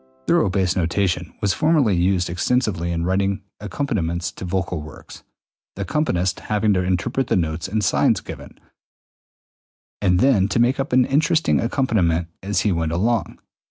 ] Thorough bass notation was formerly used extensively in writing accompaniments to vocal works, the accompanist having to interpret the notes and signs given, and then to make up an interesting accompaniment as he went along.